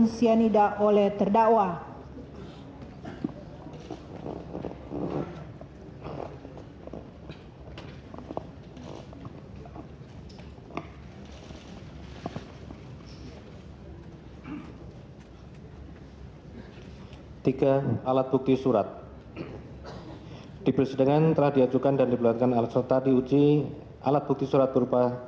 di uji alat bukti surat berupa